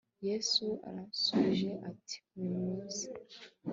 yesu yarasubije ati numuze